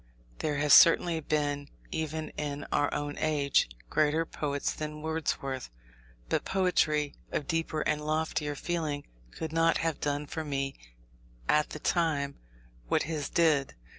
There have certainly been, even in our own age, greater poets than Wordsworth; but poetry of deeper and loftier feeling could not have done for me at that time what his did.